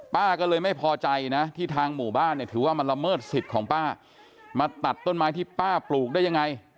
ป้าก็เลยไม่พอใจนะที่ทางหมู่บ้านเนี่ยถือว่ามันละเมิดสิทธิ์ของป้ามาตัดต้นไม้ที่ป้าปลูกได้ยังไง